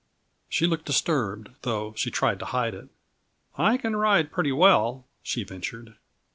She looked disturbed, though she tried to hide it. "I can ride pretty well," she ventured.